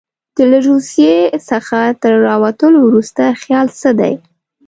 له روسیې څخه تر راوتلو وروسته خیال څه دی.